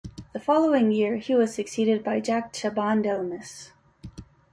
The following year he was succeeded by Jacques Chaban-Delmas.